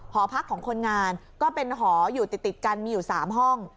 หอพักของคนงานก็เป็นหออยู่ติดกันมีอยู่๓ห้อง